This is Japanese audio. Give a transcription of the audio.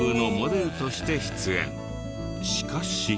しかし。